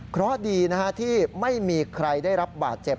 เพราะดีนะฮะที่ไม่มีใครได้รับบาดเจ็บ